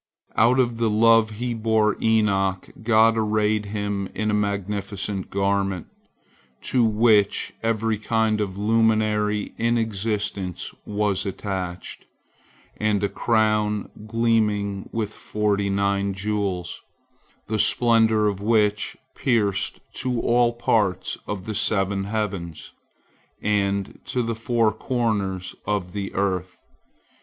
Out of the love He bore Enoch, God arrayed him in a magnificent garment, to which every kind of luminary in existence was attached, and a crown gleaming with forty nine jewels, the splendor of which pierced to all parts of the seven heavens and to the four corners of the earth.